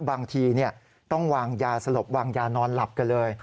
บางทีต้องวางยาสลบวางยานอนหลับกันเลย